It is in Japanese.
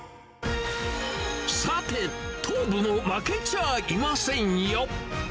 さて、東武も負けちゃいませんよ。